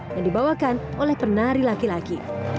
yang dibawakan oleh penari laki laki